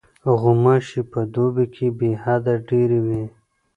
غوماشې په دوبي کې بېحده ډېرې وي.